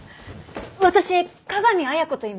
私香美綾子といいます。